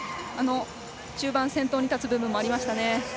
中盤、先頭に立つ部分もありましたね。